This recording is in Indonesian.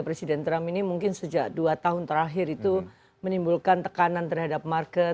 presiden trump ini mungkin sejak dua tahun terakhir itu menimbulkan tekanan terhadap market